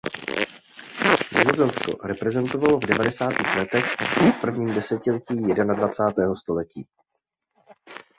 Nizozemsko reprezentovala v devadesátých letech a v prvním desetiletí jednadvacátého století.